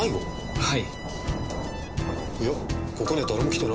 はい。